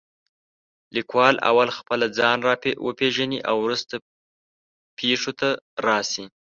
لیکوال اول خپله ځان را وپېژنې او وروسته پېښو ته راشي.